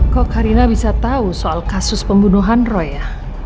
kok karina bisa tau soal kasus pembunuhan roy ya